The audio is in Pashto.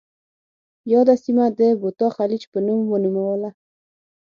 یاده سیمه د بوتا خلیج په نوم ونوموله.